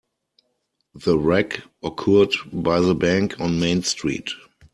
The wreck occurred by the bank on Main Street.